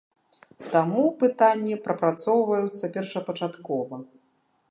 Таму пытанні прапрацоўваюцца першапачаткова.